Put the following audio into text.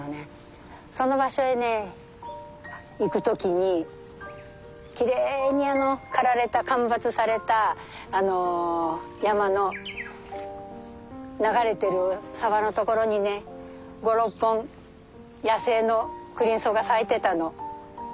その場所へね行く時にきれいに刈られた間伐された山の流れてる沢の所にね５６本野生のクリンソウが咲いてたの。